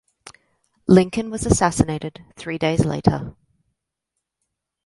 Lincoln was assassinated three days later.